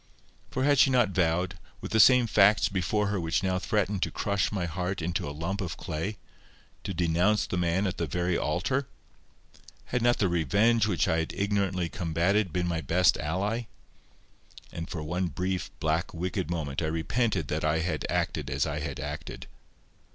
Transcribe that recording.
For had she not vowed—with the same facts before her which now threatened to crush my heart into a lump of clay—to denounce the man at the very altar? Had not the revenge which I had ignorantly combated been my best ally? And for one brief, black, wicked moment I repented that I had acted as I had acted.